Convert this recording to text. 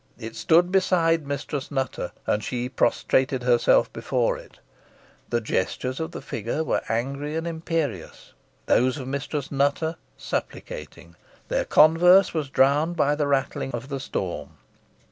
It stood beside Mistress Nutter, and she prostrated herself before it. The gestures of the figure were angry and imperious those of Mistress Nutter supplicating. Their converse was drowned by the rattling of the storm.